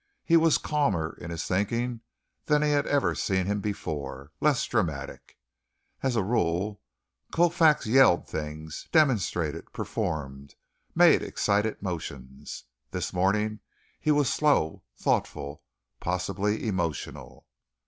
He was calmer in his thinking than he had ever seen him before less dramatic. As a rule, Colfax yelled things demonstrated, performed made excited motions. This morning, he was slow, thoughtful, possibly emotional.